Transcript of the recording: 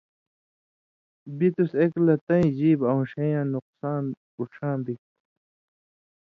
بِتُس ایک لہ تَیں ژیب اؤن٘ݜَین٘یاں نقصان اُڇھاں بِگ تھو